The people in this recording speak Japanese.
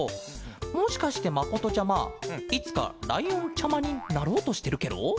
もしかしてまことちゃまいつかライオンちゃまになろうとしてるケロ？